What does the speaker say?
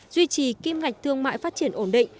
duy trì kim ngạch thương mại phát triển ổn định